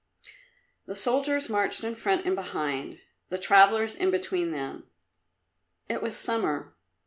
The soldiers marched in front and behind; the travellers in between them. It was summer.